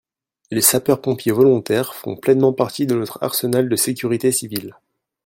Les sapeurs-pompiers volontaires font pleinement partie de notre arsenal de sécurité civile.